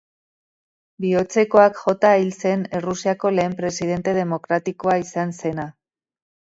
Bihotzekoak jota hil zen Errusiako lehen presidente demokratikoa izan zena.